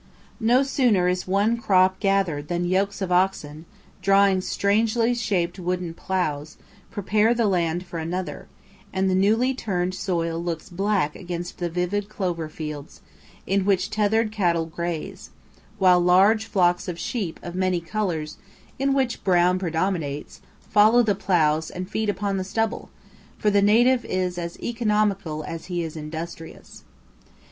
No sooner is one crop gathered than yokes of oxen, drawing strangely shaped wooden ploughs, prepare the land for another; and the newly turned soil looks black against the vivid clover fields, in which tethered cattle graze; while large flocks of sheep of many colours, in which brown predominates, follow the ploughs and feed upon the stubble, for the native is as economical as he is industrious.